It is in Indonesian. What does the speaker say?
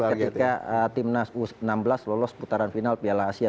ketika timnas u enam belas lolos putaran final piala asia